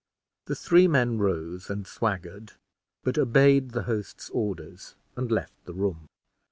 The three men rose and swaggered, but obeyed the host's orders, and left the room.